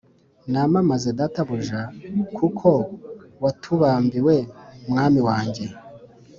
Namamaze databuja kuko watubambiwe mwami wanjye